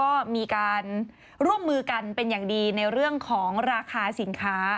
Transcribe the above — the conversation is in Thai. ก็มีการร่วมมือกันเป็นอย่างดีในเรื่องของราคาสินค้า